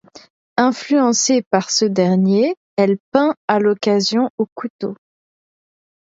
Influencée par ce dernier, elle peint à l'occasion au couteau.